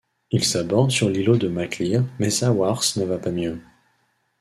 Ils abordent sur l'îlot de Mac Lir mais Saoirse ne va pas mieux.